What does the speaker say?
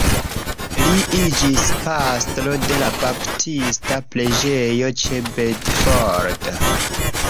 Li iĝis pastro de la baptista preĝejo ĉe Bedford.